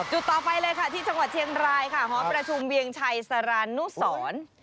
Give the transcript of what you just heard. จุดต่อไปที่จังหวัดเชียงรายห้อประชุมเวียงชัยสรณุสร